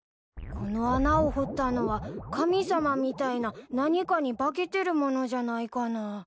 この穴を掘ったのは神様みたいな何かに化けてるものじゃないかな。